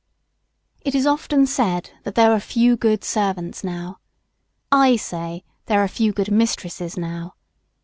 It is often said that there are few good servants now; I say there are few good mistresses now.